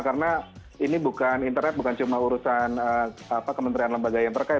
karena internet bukan cuma urusan kementerian lembaga yang terkait